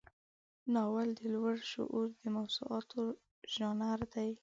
ناول د لوړ شعور د موضوعاتو ژانر دی.